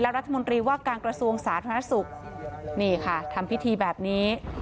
รัฐมนตรีว่าการกระทรวงสาธารณสุขนี่ค่ะทำพิธีแบบนี้